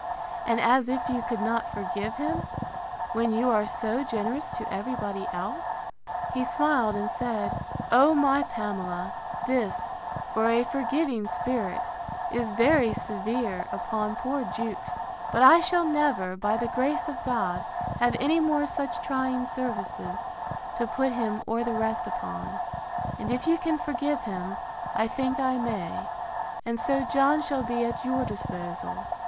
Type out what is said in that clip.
and as if you could not forgive him, when you are so generous to every body else? He smiled and said, O my Pamela, this, for a forgiving spirit, is very severe upon poor Jewkes: But I shall never, by the grace of God, have any more such trying services, to put him or the rest upon; and if you can forgive him, I think I may: and so John shall be at your disposal.